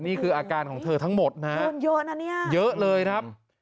นี่คืออาการของเธอทั้งหมดนะฮะเนี่ยเยอะเลยครับ